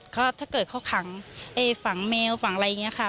ก็ถ้าเกิดเขาขังฝังแมวฝังอะไรอย่างนี้ค่ะ